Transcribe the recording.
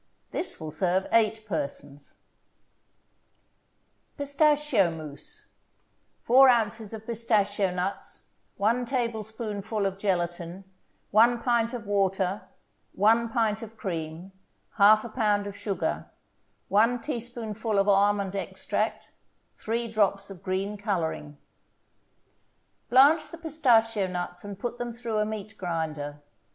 This will serve eight persons. PISTACHIO MOUSSE 4 ounces of pistachio nuts 1 tablespoonful of gelatin 1 pint of water 1 pint of cream 1/2 pound of sugar 1 teaspoonful of almond extract 3 drops of green coloring Blanch the pistachio nuts and put them through a meat grinder.